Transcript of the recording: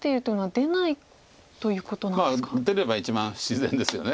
出れば一番自然ですよね。